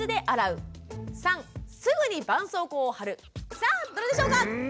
さあどれでしょうか？